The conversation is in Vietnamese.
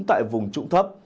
tại vùng trụng thấp